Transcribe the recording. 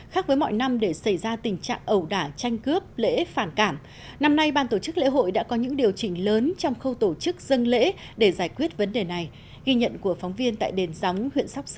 hãy đăng ký kênh để nhận thông tin nhất